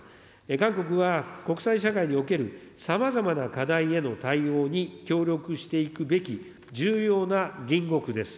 韓国は国際社会におけるさまざまな課題への対応に協力していくべき重要な隣国です。